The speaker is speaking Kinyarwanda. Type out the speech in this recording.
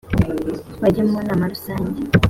bajya mu nama rusange